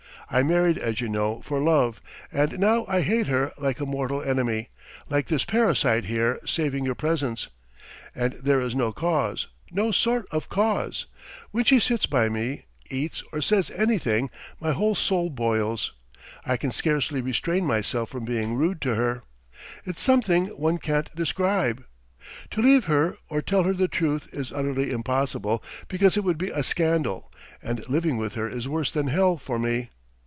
I married as you know for love, and now I hate her like a mortal enemy, like this parasite here, saving your presence. And there is no cause, no sort of cause! When she sits by me, eats, or says anything, my whole soul boils, I can scarcely restrain myself from being rude to her. It's something one can't describe. To leave her or tell her the truth is utterly impossible because it would be a scandal, and living with her is worse than hell for me.